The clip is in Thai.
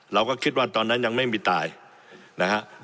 เราก็คิดว่าตอนนั้นยังไม่มีตายนะฮะ